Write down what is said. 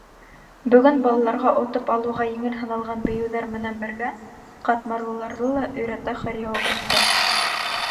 Бөгөн балаларға отоп алыуға еңел һаналған бейеүҙәр менән бергә ҡатмарлыларҙы ла өйрәтә хореографтар.